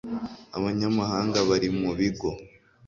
abanyamahanga bari mu bigo